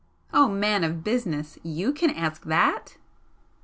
"Oh, man of 'business'! YOU can ask that?"